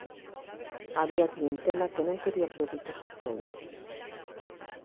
Había clientela que non quería produtos con coiro.